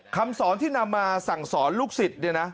คำสอนที่นำมาสั่งสอนลูกศิษย์เนี่ยนะ